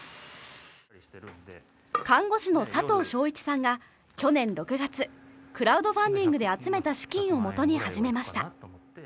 看護師の佐藤正一さんが去年６月クラウドファンディングで集めた資金を元に始めました。